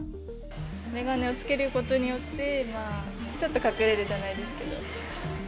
眼鏡をつけることによって、ちょっと隠れるじゃないですけど。